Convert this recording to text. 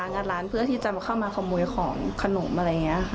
งัดร้านเพื่อที่จะเข้ามาขโมยของขนมอะไรอย่างนี้ค่ะ